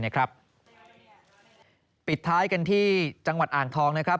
ปิดท้ายกันที่จังหวัดอ่างทองนะครับ